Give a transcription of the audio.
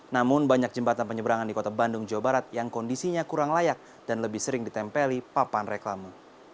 namun banyak jembatan penyeberangan di kota bandung jawa barat yang kondisinya kurang layak dan lebih sering ditempeli papan reklama